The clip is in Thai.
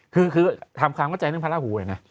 คือถามความเข้าใจเรื่องพระราหูเนี่ย